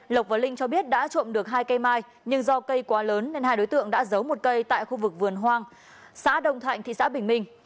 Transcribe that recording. lộc và linh cho biết đã trộm được hai cây mai nhưng do cây quá lớn nên hai đối tượng đã giấu một cây tại khu vực vườn hoang xã đồng thạnh thị xã bình minh